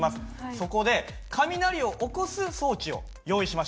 そこで雷を起こす装置を用意しました。